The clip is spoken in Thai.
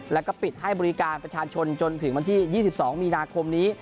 แล้วก็ปิดให้บริการประชาชนจนถึงวันที่๒๒มีนาคมนี้